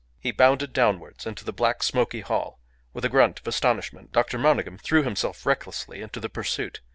He bounded downwards into the black, smoky hall. With a grunt of astonishment, Dr. Monygham threw himself recklessly into the pursuit.